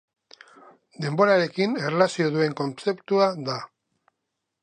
Denborarekin erlazio duen kontzeptua da.